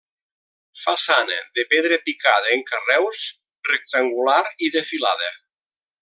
Façana de pedra picada en carreus rectangular i de filada.